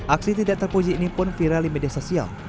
aksi tidak terpuji ini pun viral di media sosial